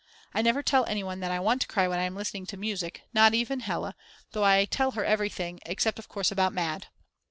I never tell anyone that I want to cry when I am listening to music, not even Hella, though I tell her everything, except of course about Mad.